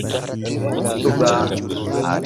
Dhugaa.